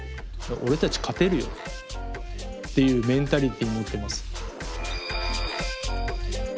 俺たち勝てるよっていうメンタリティー持ってます。